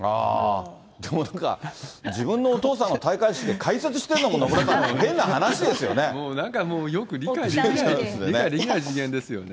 でも、自分のお父さんの戴冠式で解説してるのも、野村さん、変な話ですなんかもう、よく理解できないですね。